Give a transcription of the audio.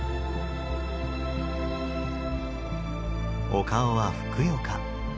お顔はふくよか。